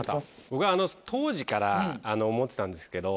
僕当時から思ってたんですけど。